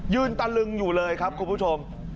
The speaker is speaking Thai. ตะลึงอยู่เลยครับคุณผู้ชม